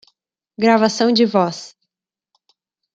Gravação de voz.